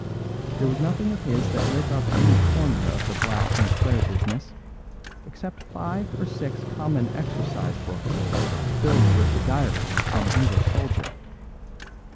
There was nothing of his that lit up any corner of the black St. Clare business, except five or six common exercise books filled with the diary of some English soldier.